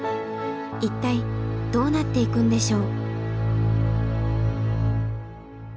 一体どうなっていくんでしょう。